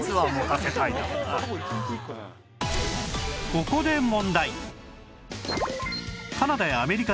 ここで問題